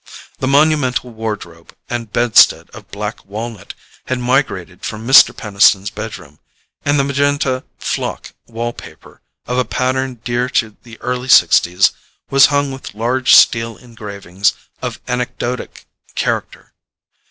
The monumental wardrobe and bedstead of black walnut had migrated from Mr. Peniston's bedroom, and the magenta "flock" wall paper, of a pattern dear to the early 'sixties, was hung with large steel engravings of an anecdotic character.